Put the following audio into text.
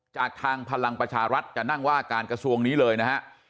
จากทางพลังประชารัฐจะนั่งว่าการกระทรวงนี้เลยนะฮะ